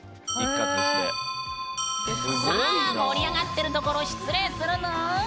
盛り上がってるところ失礼するぬん！